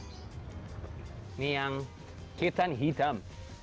ini yang ketan hitam